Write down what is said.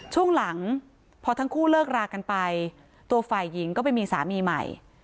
ช่วงหลังพอทั้งคู่เลิกรากันไปตัวฝ่ายหญิงก็ไปมีสามีใหม่